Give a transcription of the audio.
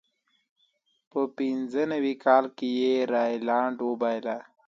په پینځه نوي کال کې یې راینلنډ وبایله.